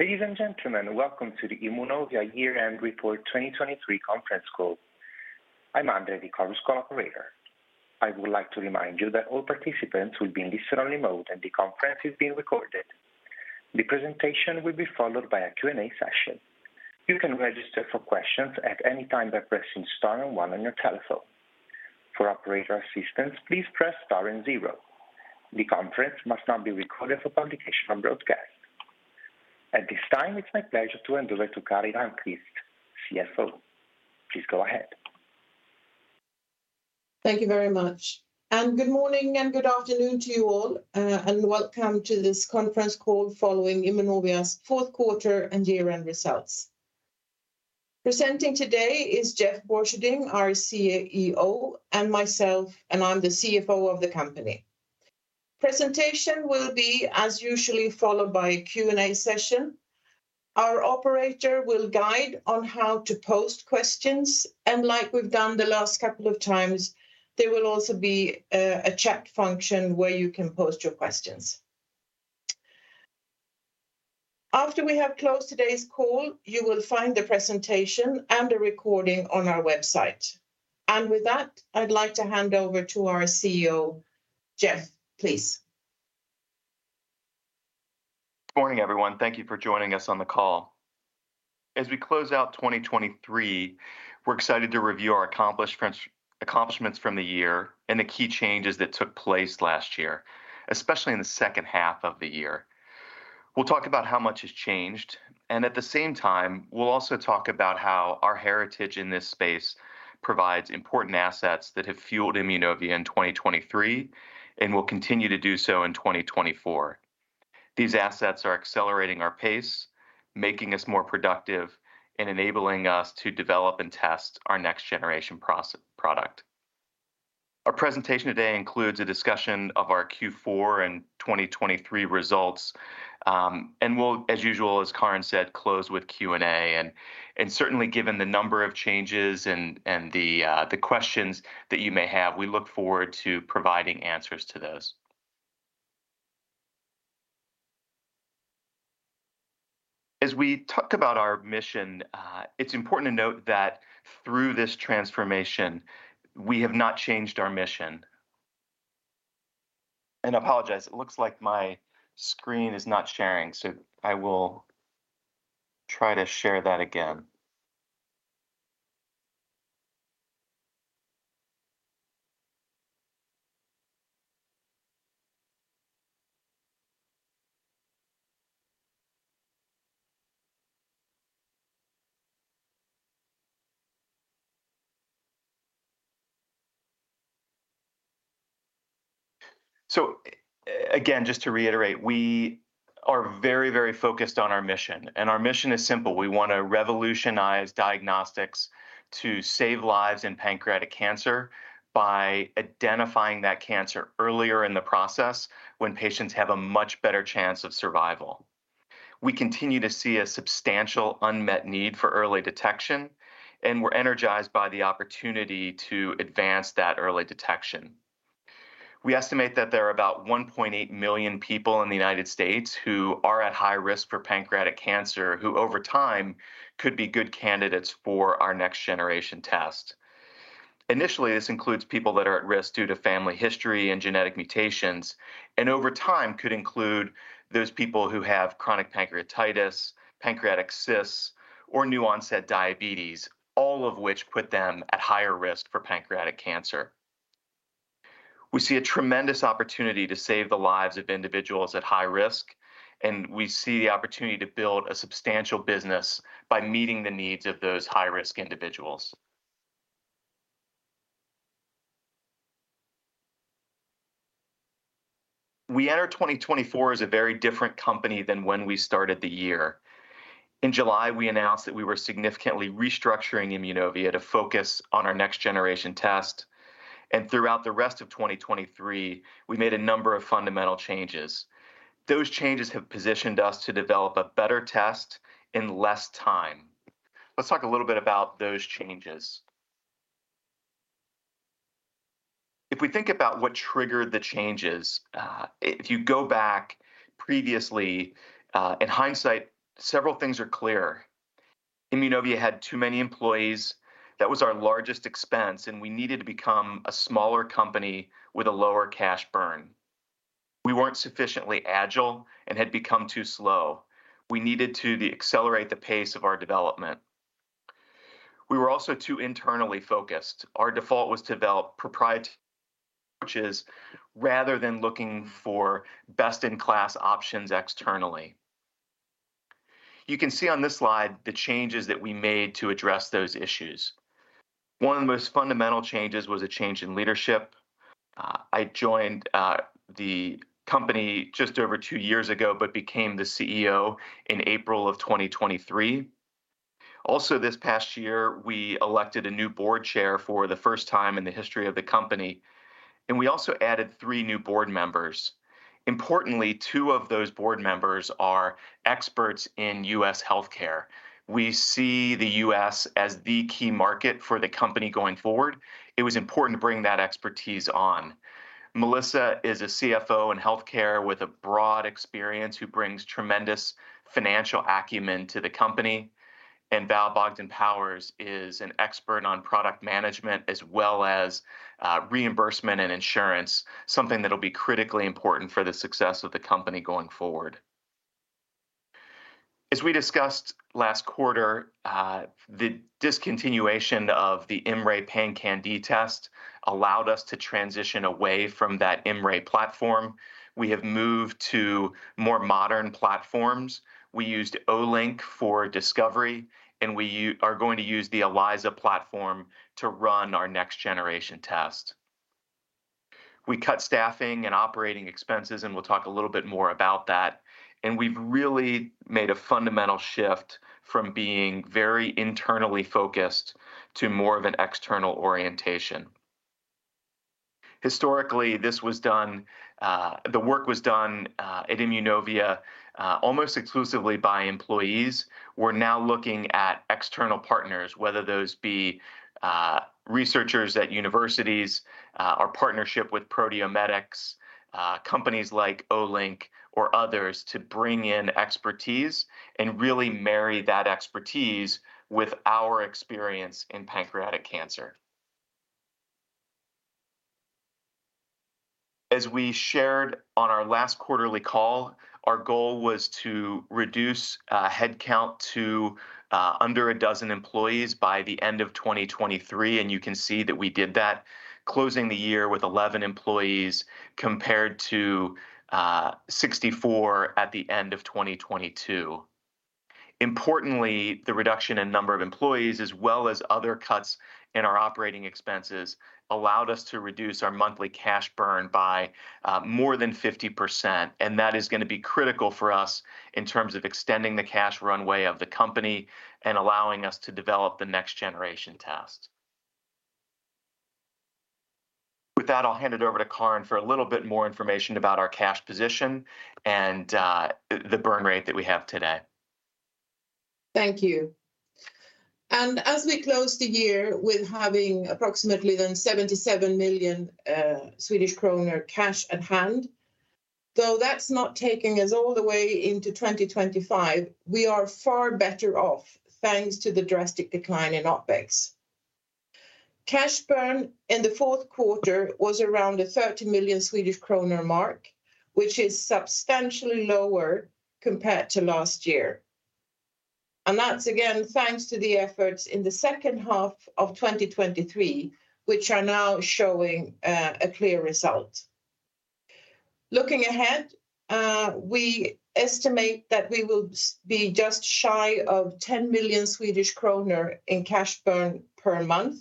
Ladies and gentlemen, welcome to the Immunovia Year-End Report 2023 conference call. I'm Andre, the conference call operator. I would like to remind you that all participants will be in listen-only mode, and the conference is being recorded. The presentation will be followed by a Q&A session. You can register for questions at any time by pressing star and one on your telephone. For operator assistance, please press star and zero. The conference must not be recorded for publication or broadcast. At this time, it's my pleasure to hand over to Karin Almqvist, CFO. Please go ahead. Thank you very much, and good morning and good afternoon to you all, and welcome to this conference call following Immunovia's fourth quarter and year-end results. Presenting today is Jeff Borcherding, our CEO, and myself, and I'm the CFO of the company. Presentation will be, as usual, followed by a Q&A session. Our operator will guide on how to post questions, and like we've done the last couple of times, there will also be a chat function where you can post your questions. After we have closed today's call, you will find the presentation and a recording on our website. And with that, I'd like to hand over to our CEO, Jeff, please. Good morning, everyone. Thank you for joining us on the call. As we close out 2023, we're excited to review our accomplishments from the year and the key changes that took place last year, especially in the second half of the year. We'll talk about how much has changed, and at the same time, we'll also talk about how our heritage in this space provides important assets that have fueled Immunovia in 2023 and will continue to do so in 2024. These assets are accelerating our pace, making us more productive, and enabling us to develop and test our next-generation product. Our presentation today includes a discussion of our Q4 and 2023 results, and we'll, as usual, as Karin said, close with Q&A. And certainly given the number of changes and the questions that you may have, we look forward to providing answers to those. As we talk about our mission, it's important to note that through this transformation, we have not changed our mission. I apologize, it looks like my screen is not sharing, so I will try to share that again. Again, just to reiterate, we are very, very focused on our mission, and our mission is simple: We want to revolutionize diagnostics to save lives in pancreatic cancer by identifying that cancer earlier in the process, when patients have a much better chance of survival. We continue to see a substantial unmet need for early detection, and we're energized by the opportunity to advance that early detection. We estimate that there are about 1.8 million people in the United States who are at high risk for pancreatic cancer, who, over time, could be good candidates for our next-generation test. Initially, this includes people that are at risk due to family history and genetic mutations, and over time, could include those people who have chronic pancreatitis, pancreatic cysts, or new-onset diabetes, all of which put them at higher risk for pancreatic cancer. We see a tremendous opportunity to save the lives of individuals at high risk, and we see the opportunity to build a substantial business by meeting the needs of those high-risk individuals. We enter 2024 as a very different company than when we started the year. In July, we announced that we were significantly restructuring Immunovia to focus on our next-generation test, and throughout the rest of 2023, we made a number of fundamental changes. Those changes have positioned us to develop a better test in less time. Let's talk a little bit about those changes. If we think about what triggered the changes, if you go back previously, in hindsight, several things are clear. Immunovia had too many employees. That was our largest expense, and we needed to become a smaller company with a lower cash burn. We weren't sufficiently agile and had become too slow. We needed to accelerate the pace of our development. We were also too internally focused. Our default was to develop proprietary approaches rather than looking for best-in-class options externally. You can see on this slide the changes that we made to address those issues. One of the most fundamental changes was a change in leadership. I joined the company just over two years ago but became the CEO in April of 2023. Also, this past year, we elected a new board chair for the first time in the history of the company, and we also added three new board members. Importantly, two of those board members are experts in U.S. healthcare. We see the U.S. as the key market for the company going forward. It was important to bring that expertise on. Melissa is a CFO in healthcare with a broad experience, who brings tremendous financial acumen to the company, and Val Bogdan-Powers is an expert on product management as well as reimbursement and insurance, something that'll be critically important for the success of the company going forward. As we discussed last quarter, the discontinuation of the IMMray PanCan-d test allowed us to transition away from that IMMray platform. We have moved to more modern platforms. We used Olink for discovery, and we are going to use the ELISA platform to run our next generation test. We cut staffing and operating expenses, and we'll talk a little bit more about that, and we've really made a fundamental shift from being very internally focused to more of an external orientation. Historically, this was done, the work was done, at Immunovia, almost exclusively by employees. We're now looking at external partners, whether those be, researchers at universities, our partnership with Proteomedix, companies like Olink or others, to bring in expertise and really marry that expertise with our experience in pancreatic cancer. As we shared on our last quarterly call, our goal was to reduce headcount to under a dozen employees by the end of 2023, and you can see that we did that, closing the year with 11 employees, compared to 64 at the end of 2022. Importantly, the reduction in number of employees, as well as other cuts in our operating expenses, allowed us to reduce our monthly cash burn by more than 50%, and that is gonna be critical for us in terms of extending the cash runway of the company and allowing us to develop the next generation test. With that, I'll hand it over to Karin for a little bit more information about our cash position and the burn rate that we have today. Thank you. As we close the year with having approximately 77 million Swedish kronor cash at hand, though that's not taking us all the way into 2025, we are far better off, thanks to the drastic decline in OpEx. Cash burn in the fourth quarter was around the 30 million Swedish kronor mark, which is substantially lower compared to last year, and that's again, thanks to the efforts in the second half of 2023, which are now showing a clear result. Looking ahead, we estimate that we will be just shy of 10 million Swedish kronor in cash burn per month,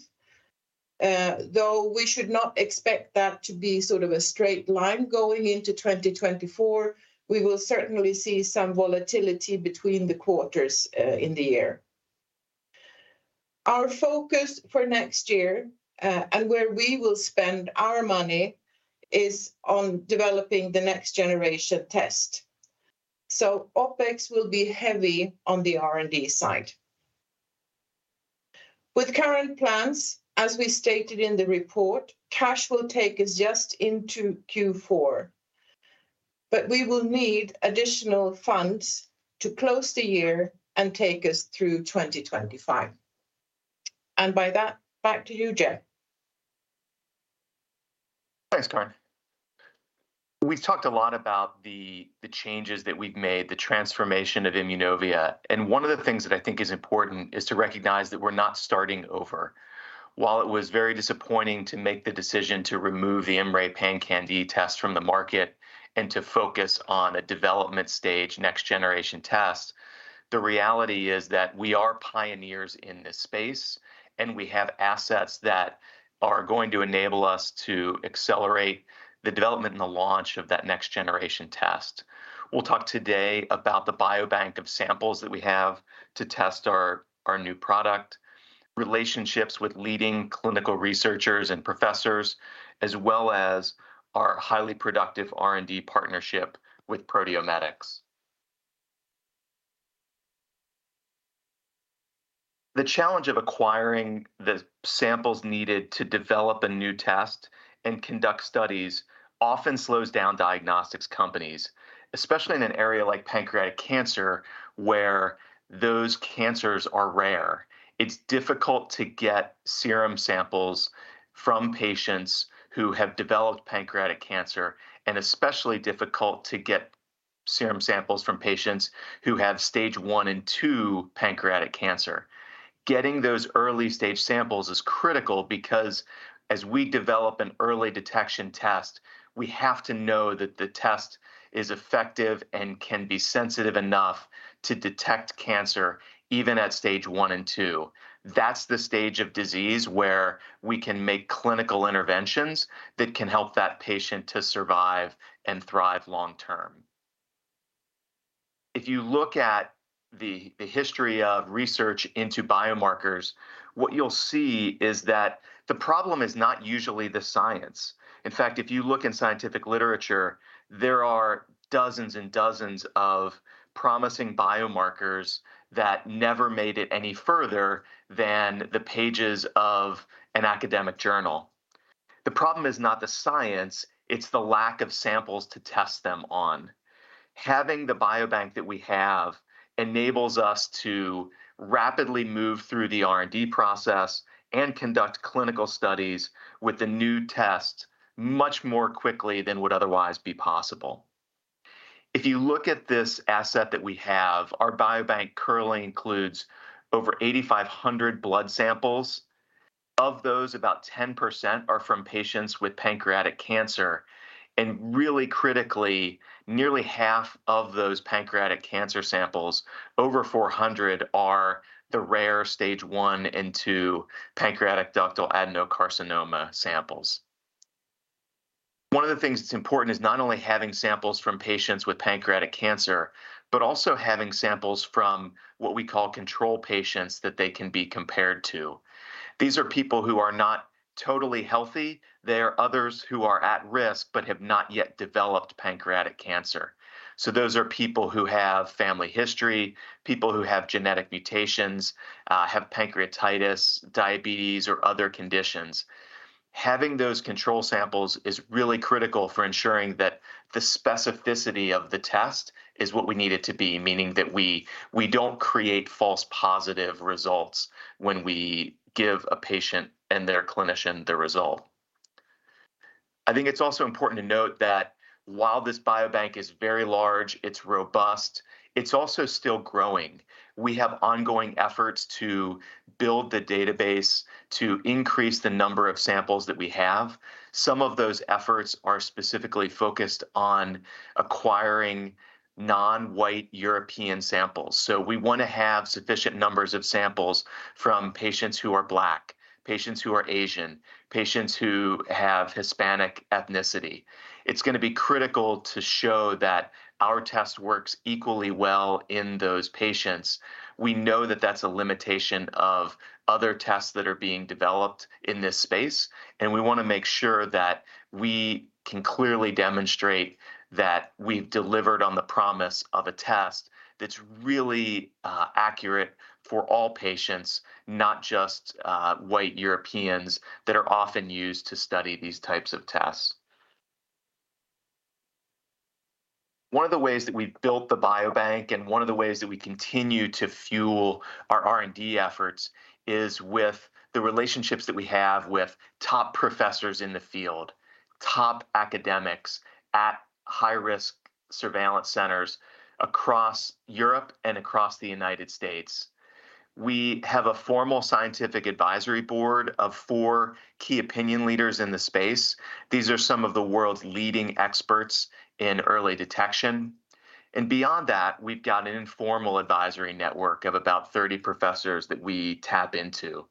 though we should not expect that to be sort of a straight line going into 2024. We will certainly see some volatility between the quarters in the year. Our focus for next year, and where we will spend our money, is on developing the next generation test, so OpEx will be heavy on the R&D side. With current plans, as we stated in the report, cash will take us just into Q4, but we will need additional funds to close the year and take us through 2025. By that, back to you, Jeff. Thanks, Karin. We've talked a lot about the changes that we've made, the transformation of Immunovia, and one of the things that I think is important is to recognize that we're not starting over. While it was very disappointing to make the decision to remove the IMMray PanCan-d test from the market and to focus on a development stage, next generation test, the reality is that we are pioneers in this space, and we have assets that are going to enable us to accelerate the development and the launch of that next generation test. We'll talk today about the biobank of samples that we have to test our new product, relationships with leading clinical researchers and professors, as well as our highly productive R&D partnership with Proteomedix. The challenge of acquiring the samples needed to develop a new test and conduct studies often slows down diagnostics companies, especially in an area like pancreatic cancer, where those cancers are rare. It's difficult to get serum samples from patients who have developed pancreatic cancer, and especially difficult to get serum samples from patients who have Stage one and two pancreatic cancer. Getting those early-stage samples is critical because, as we develop an early detection test, we have to know that the test is effective and can be sensitive enough to detect cancer even at stage one and two. That's the stage of disease where we can make clinical interventions that can help that patient to survive and thrive long term. If you look at the history of research into biomarkers, what you'll see is that the problem is not usually the science. In fact, if you look in scientific literature, there are dozens and dozens of promising biomarkers that never made it any further than the pages of an academic journal. The problem is not the science, it's the lack of samples to test them on. Having the biobank that we have enables us to rapidly move through the R&D process and conduct clinical studies with the new test much more quickly than would otherwise be possible. If you look at this asset that we have, our biobank currently includes over 8,500 blood samples. Of those, about 10% are from patients with pancreatic cancer, and really critically, nearly half of those pancreatic cancer samples, over 400, are the rare stage I and II pancreatic ductal adenocarcinoma samples. One of the things that's important is not only having samples from patients with pancreatic cancer, but also having samples from what we call control patients that they can be compared to. These are people who are not totally healthy. They are others who are at risk, but have not yet developed pancreatic cancer. So those are people who have family history, people who have genetic mutations, have pancreatitis, diabetes, or other conditions. Having those control samples is really critical for ensuring that the specificity of the test is what we need it to be, meaning that we, we don't create false positive results when we give a patient and their clinician the result. I think it's also important to note that while this biobank is very large, it's robust, it's also still growing. We have ongoing efforts to build the database to increase the number of samples that we have. Some of those efforts are specifically focused on acquiring non-white European samples. So we want to have sufficient numbers of samples from patients who are Black, patients who are Asian, patients who have Hispanic ethnicity. It's going to be critical to show that our test works equally well in those patients. We know that that's a limitation of other tests that are being developed in this space, and we want to make sure that we can clearly demonstrate that we've delivered on the promise of a test that's really accurate for all patients, not just white Europeans that are often used to study these types of tests. One of the ways that we built the biobank and one of the ways that we continue to fuel our R&D efforts is with the relationships that we have with top professors in the field, top academics at high-risk surveillance centers across Europe and across the United States. We have a formal scientific advisory board of four key opinion leaders in the space. These are some of the world's leading experts in early detection, and beyond that, we've got an informal advisory network of about 30 professors that we tap into.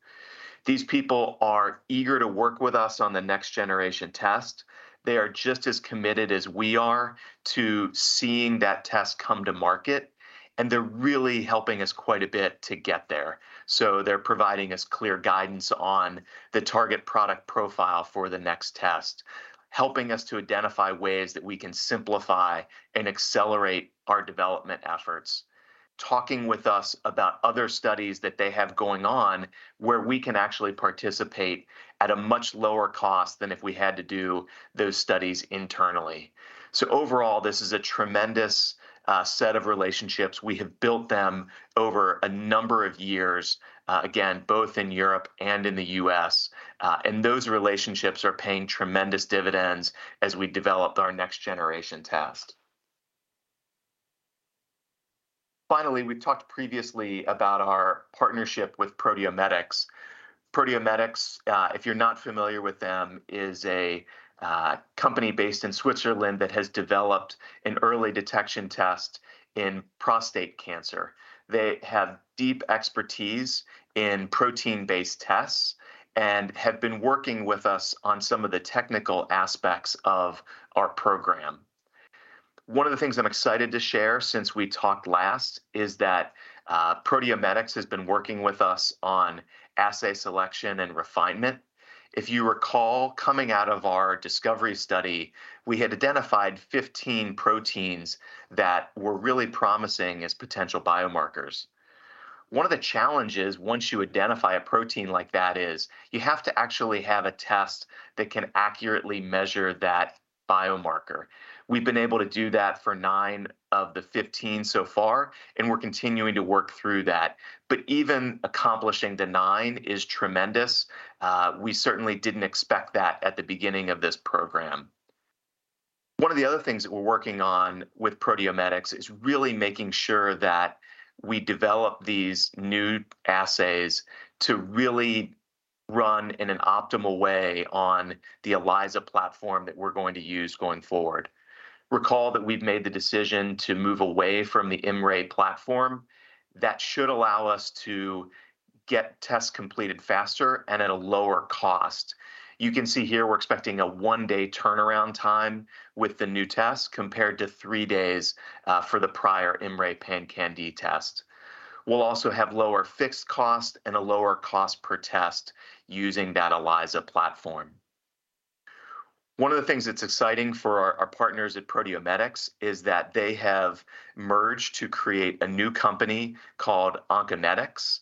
These people are eager to work with us on the next generation test. They are just as committed as we are to seeing that test come to market, and they're really helping us quite a bit to get there. They're providing us clear guidance on the target product profile for the next test, helping us to identify ways that we can simplify and accelerate our development efforts, talking with us about other studies that they have going on, where we can actually participate at a much lower cost than if we had to do those studies internally. Overall, this is a tremendous set of relationships. We have built them over a number of years, again, both in Europe and in the U.S., and those relationships are paying tremendous dividends as we developed our next generation test. Finally, we talked previously about our partnership with Proteomedix. Proteomedix, if you're not familiar with them, is a company based in Switzerland that has developed an early detection test in prostate cancer. They have deep expertise in protein-based tests and have been working with us on some of the technical aspects of our program. One of the things I'm excited to share since we talked last is that, Proteomedix has been working with us on assay selection and refinement. If you recall, coming out of our discovery study, we had identified 15 proteins that were really promising as potential biomarkers. One of the challenges, once you identify a protein like that, is you have to actually have a test that can accurately measure that biomarker. We've been able to do that for nine of the 15 so far, and we're continuing to work through that. But even accomplishing the nine is tremendous. We certainly didn't expect that at the beginning of this program. One of the other things that we're working on with Proteomedix is really making sure that we develop these new assays to really run in an optimal way on the ELISA platform that we're going to use going forward. Recall that we've made the decision to move away from the IMMray platform. That should allow us to get tests completed faster and at a lower cost. You can see here we're expecting a one-day turnaround time with the new test, compared to three days for the prior IMMray PanCan-d test. We'll also have lower fixed cost and a lower cost per test using that ELISA platform. One of the things that's exciting for our partners at Proteomedix is that they have merged to create a new company called Onconetix.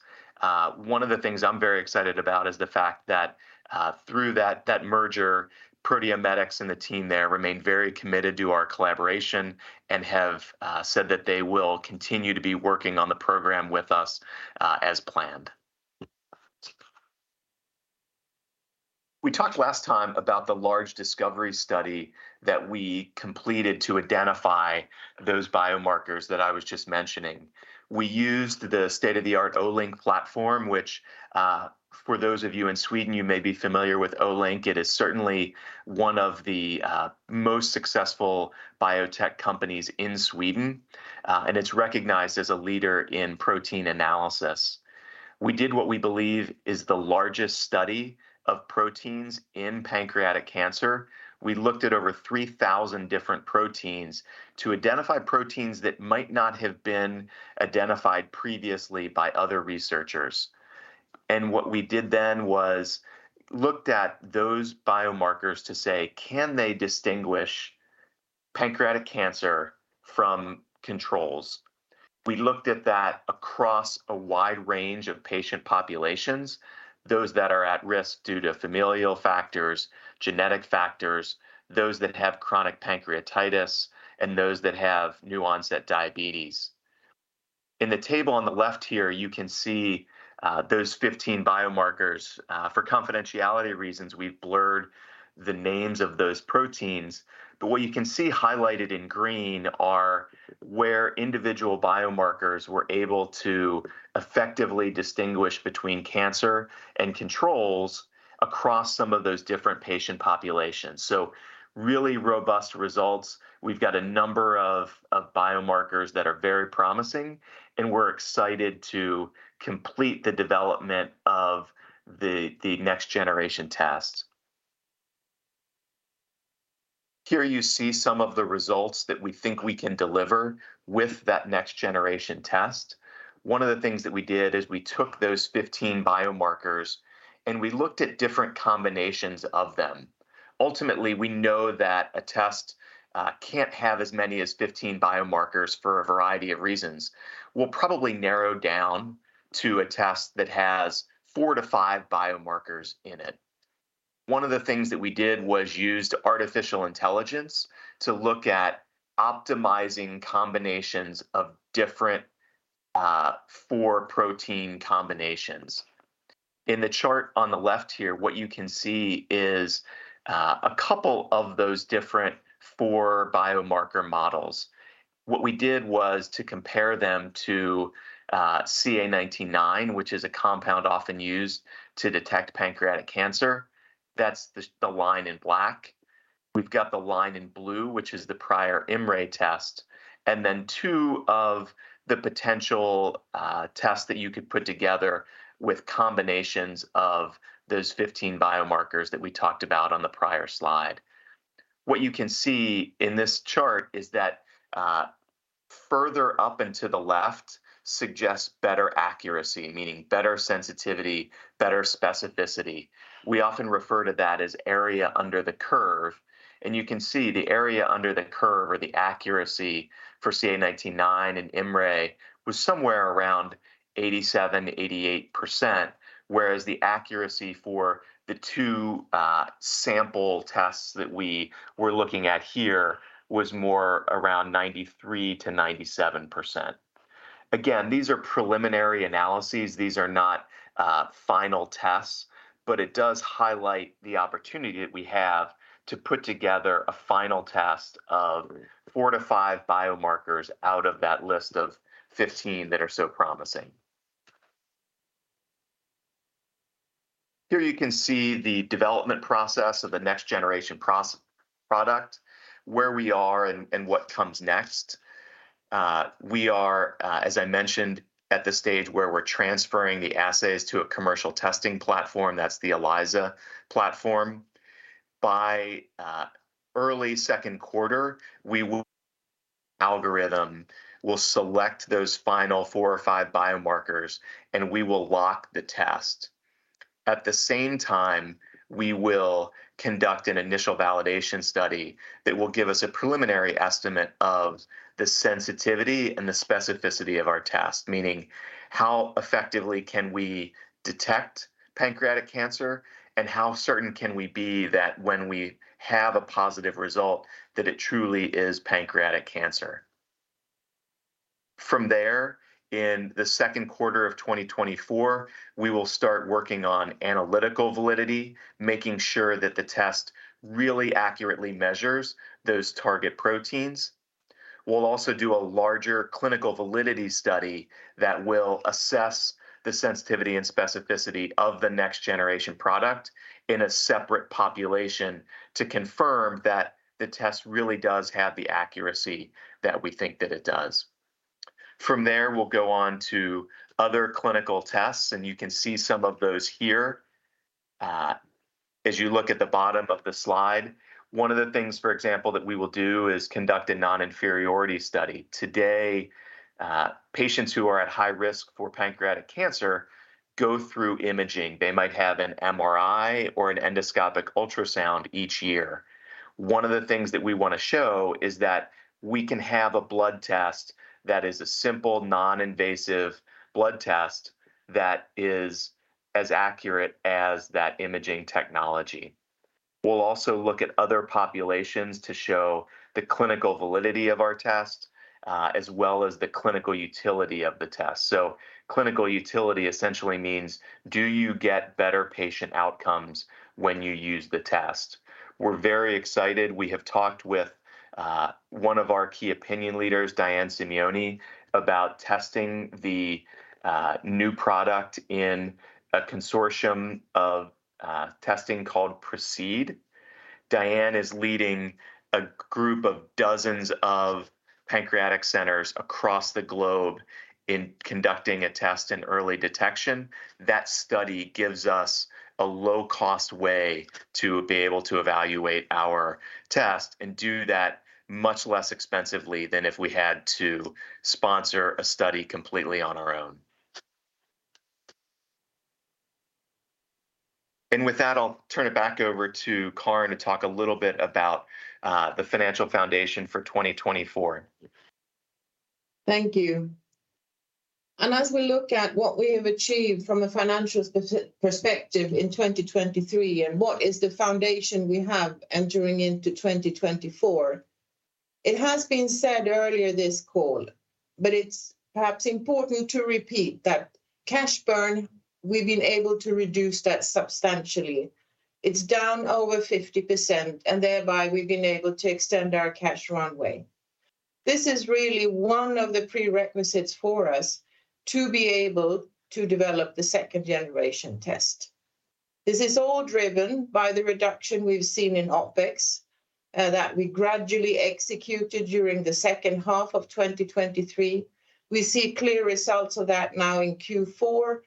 One of the things I'm very excited about is the fact that, through that merger, Proteomedix and the team there remain very committed to our collaboration and have said that they will continue to be working on the program with us, as planned. We talked last time about the large discovery study that we completed to identify those biomarkers that I was just mentioning. We used the state-of-the-art Olink platform, which, for those of you in Sweden, you may be familiar with Olink. It is certainly one of the most successful biotech companies in Sweden, and it's recognized as a leader in protein analysis. We did what we believe is the largest study of proteins in pancreatic cancer. We looked at over 3,000 different proteins to identify proteins that might not have been identified previously by other researchers. What we did then was looked at those biomarkers to say, "Can they distinguish pancreatic cancer from controls?" We looked at that across a wide range of patient populations, those that are at risk due to familial factors, genetic factors, those that have chronic pancreatitis, and those that have new-onset diabetes. In the table on the left here, you can see those 15 biomarkers. For confidentiality reasons, we've blurred the names of those proteins, but what you can see highlighted in green are where individual biomarkers were able to effectively distinguish between cancer and controls across some of those different patient populations, so really robust results. We've got a number of biomarkers that are very promising, and we're excited to complete the development of the next-generation test. Here, you see some of the results that we think we can deliver with that next-generation test. One of the things that we did is we took those 15 biomarkers, and we looked at different combinations of them. Ultimately, we know that a test can't have as many as 15 biomarkers for a variety of reasons. We'll probably narrow down to a test that has 4-5 biomarkers in it. One of the things that we did was used artificial intelligence to look at optimizing combinations of different four protein combinations. In the chart on the left here, what you can see is a couple of those different four biomarker models. What we did was to compare them to CA 19-9, which is a compound often used to detect pancreatic cancer. That's the line in black. We've got the line in blue, which is the prior IMMray test, and then two of the potential tests that you could put together with combinations of those 15 biomarkers that we talked about on the prior slide. What you can see in this chart is that further up and to the left suggests better accuracy, meaning better sensitivity, better specificity. We often refer to that as area under the curve, and you can see the area under the curve or the accuracy for CA 19-9 and IMMray was somewhere around 87%-88%, whereas the accuracy for the two sample tests that we were looking at here was more around 93%-97%. Again, these are preliminary analyses. These are not final tests, but it does highlight the opportunity that we have to put together a final test of 4-5 biomarkers out of that list of 15 that are so promising. Here you can see the development process of the next-generation product, where we are, and what comes next. We are, as I mentioned, at the stage where we're transferring the assays to a commercial testing platform. That's the ELISA platform. By early second quarter, we will algorithm, we'll select those final 4-5 biomarkers, and we will lock the test. At the same time, we will conduct an initial validation study that will give us a preliminary estimate of the sensitivity and the specificity of our test, meaning how effectively can we detect pancreatic cancer, and how certain can we be that when we have a positive result, that it truly is pancreatic cancer? From there, in the second quarter of 2024, we will start working on analytical validity, making sure that the test really accurately measures those target proteins. We'll also do a larger clinical validity study that will assess the sensitivity and specificity of the next-generation product in a separate population to confirm that the test really does have the accuracy that we think that it does. From there, we'll go on to other clinical tests, and you can see some of those here. As you look at the bottom of the slide, one of the things, for example, that we will do is conduct a non-inferiority study. Today, patients who are at high risk for pancreatic cancer go through imaging. They might have an MRI or an endoscopic ultrasound each year. One of the things that we want to show is that we can have a blood test that is a simple, non-invasive blood test that is as accurate as that imaging technology. We'll also look at other populations to show the clinical validity of our test, as well as the clinical utility of the test. So clinical utility essentially means, do you get better patient outcomes when you use the test? We're very excited. We have talked with one of our key opinion leaders, Diane Simeone, about testing the new product in a consortium of testing called PRECEDE. Diane is leading a group of dozens of pancreatic centers across the globe in conducting a test in early detection. That study gives us a low-cost way to be able to evaluate our test and do that much less expensively than if we had to sponsor a study completely on our own. And with that, I'll turn it back over to Karin to talk a little bit about the financial foundation for 2024. Thank you. As we look at what we have achieved from a financial perspective in 2023 and what is the foundation we have entering into 2024, it has been said earlier this call, but it's perhaps important to repeat, that cash burn, we've been able to reduce that substantially. It's down over 50%, and thereby, we've been able to extend our cash runway. This is really one of the prerequisites for us to be able to develop the second-generation test. This is all driven by the reduction we've seen in OpEx that we gradually executed during the second half of 2023. We see clear results of that now in Q4,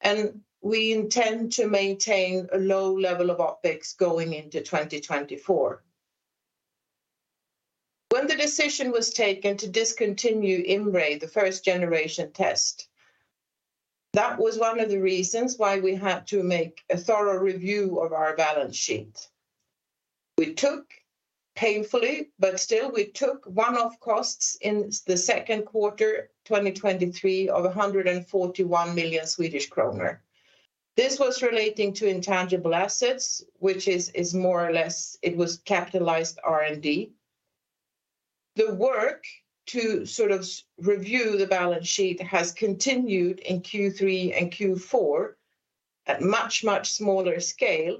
and we intend to maintain a low level of OpEx going into 2024. When the decision was taken to discontinue IMMray, the first-generation test, that was one of the reasons why we had to make a thorough review of our balance sheet. We took painfully, but still, we took one-off costs in the second quarter 2023 of 141 million Swedish kronor. This was relating to intangible assets, which is more or less, it was capitalized R&D. The work to sort of review the balance sheet has continued in Q3 and Q4 at much, much smaller scale,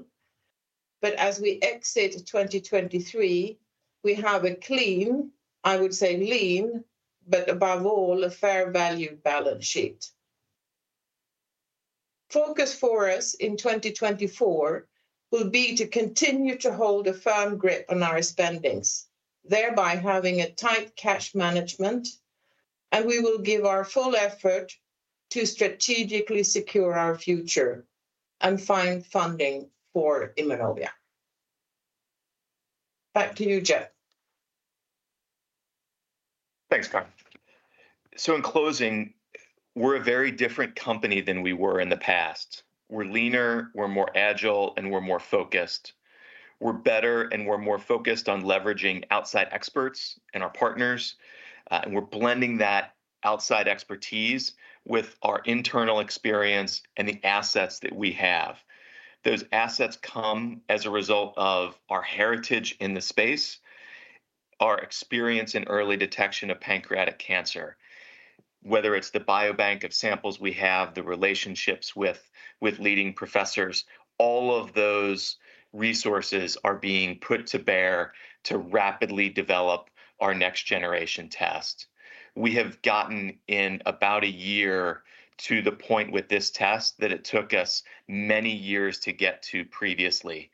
but as we exit 2023, we have a clean, I would say lean, but above all, a fair value balance sheet. Focus for us in 2024 will be to continue to hold a firm grip on our spending, thereby having a tight cash management, and we will give our full effort to strategically secure our future and find funding for Immunovia. Back to you, Jeff. Thanks, Karin. So in closing, we're a very different company than we were in the past. We're leaner, we're more agile, and we're more focused. We're better, and we're more focused on leveraging outside experts and our partners, and we're blending that outside expertise with our internal experience and the assets that we have. Those assets come as a result of our heritage in the space, our experience in early detection of pancreatic cancer. Whether it's the biobank of samples we have, the relationships with, with leading professors, all of those resources are being put to bear to rapidly develop our next-generation test. We have gotten, in about a year, to the point with this test that it took us many years to get to previously,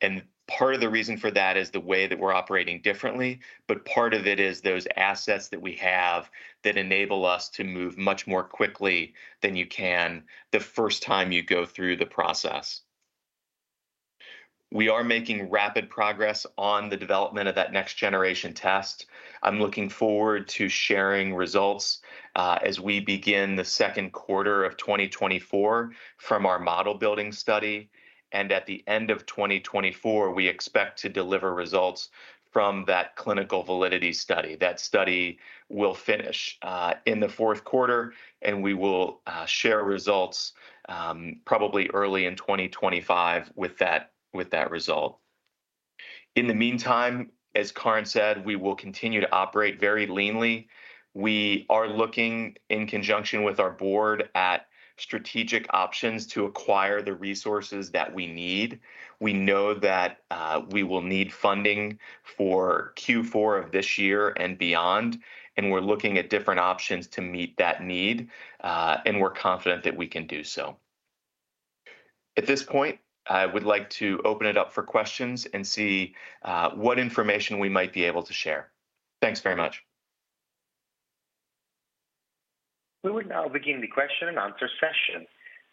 and part of the reason for that is the way that we're operating differently, but part of it is those assets that we have that enable us to move much more quickly than you can the first time you go through the process. We are making rapid progress on the development of that next-generation test. I'm looking forward to sharing results as we begin the second quarter of 2024 from our model-building study, and at the end of 2024, we expect to deliver results from that clinical validity study. That study will finish in the fourth quarter, and we will share results probably early in 2025 with that result. In the meantime, as Karin said, we will continue to operate very leanly. We are looking, in conjunction with our board, at strategic options to acquire the resources that we need. We know that we will need funding for Q4 of this year and beyond, and we're looking at different options to meet that need, and we're confident that we can do so. At this point, I would like to open it up for questions and see what information we might be able to share. Thanks very much. We will now begin the question and answer session.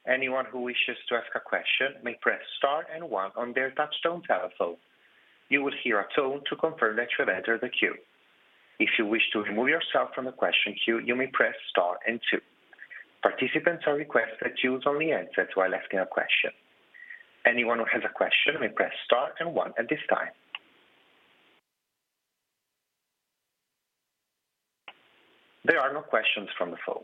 Anyone who wishes to ask a question may press star and one on their touchtone telephone. You will hear a tone to confirm that you have entered the queue. If you wish to remove yourself from the question queue, you may press star and two. Participants are requested to use only answer while asking a question. Anyone who has a question may press star and one at this time. There are no questions from the phone.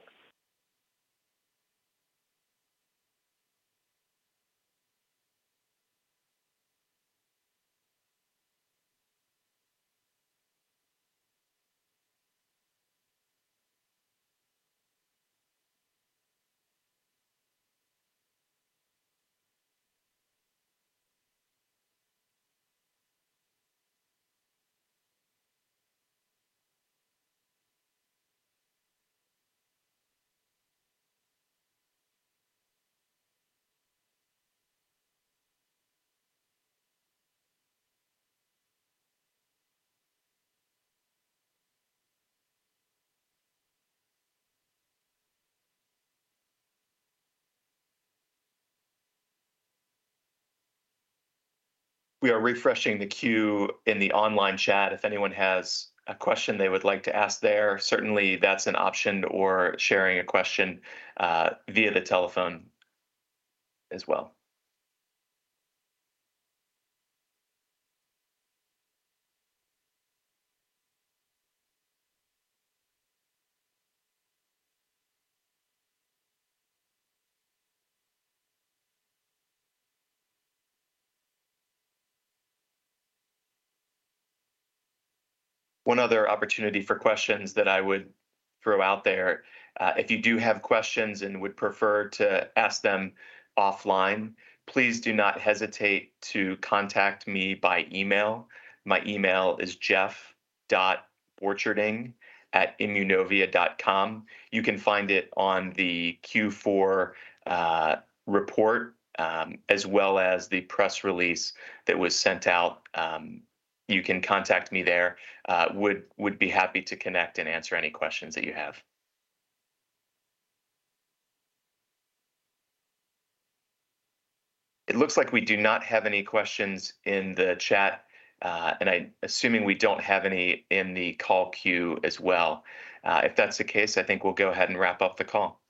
We are refreshing the queue in the online chat. If anyone has a question they would like to ask there, certainly that's an option, or sharing a question via the telephone as well. One other opportunity for questions that I would throw out there, if you do have questions and would prefer to ask them offline, please do not hesitate to contact me by email. My email is jeff.borcherding@immunovia.com. You can find it on the Q4 report, as well as the press release that was sent out. You can contact me there. I would be happy to connect and answer any questions that you have. It looks like we do not have any questions in the chat, and I'm assuming we don't have any in the call queue as well. If that's the case, I think we'll go ahead and wrap up the call.